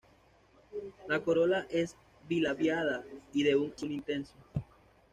La corola es bilabiada y de un azul intenso.